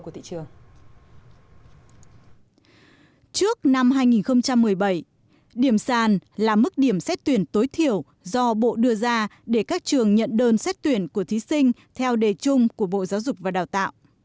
trước năm hai nghìn một mươi bảy điểm sàn là mức điểm xét tuyển tối thiểu do bộ đưa ra để các trường nhận đơn xét tuyển của thí sinh theo đề chung của bộ giáo dục và đào tạo